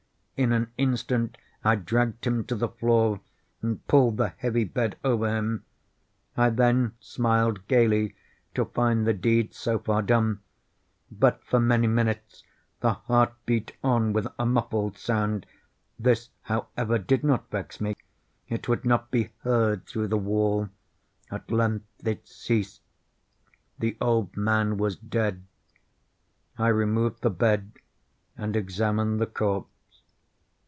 In an instant I dragged him to the floor, and pulled the heavy bed over him. I then smiled gaily, to find the deed so far done. But, for many minutes, the heart beat on with a muffled sound. This, however, did not vex me; it would not be heard through the wall. At length it ceased. The old man was dead. I removed the bed and examined the corpse.